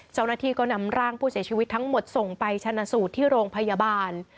เจ้าหน้าที่ก็นำร่างผู้เสียชีวิตทั้งหมดส่งไปชนะสูตรที่โรงพยาบาล